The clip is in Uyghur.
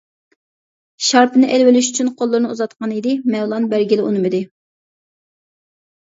شارپىنى ئېلىۋېلىش ئۈچۈن قوللىرىنى ئۇزاتقان ئىدى، مەۋلان بەرگىلى ئۇنىمىدى.